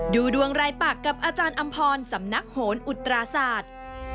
ดูดวงรายปากกับอาจารย์อำพรสำนักโหนอุตราศาสตร์